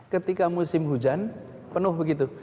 ketika musim hujan penuh begitu